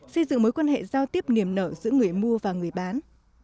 xây dựng mối quan hệ giao tiếp niềm nở giữa người mua và người bán